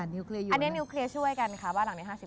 อันนี้นิวเคลียร์ช่วยกันค่ะว่าหลังใน๕๐ล้าน